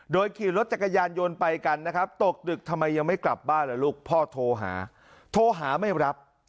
ขี่รถจักรยานยนต์ไปกันนะครับตกดึกทำไมยังไม่กลับบ้านล่ะลูกพ่อโทรหาโทรหาไม่รับ